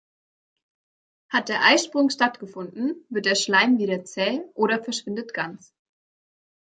Hat der Eisprung stattgefunden, wird der Schleim wieder zäh oder verschwindet ganz.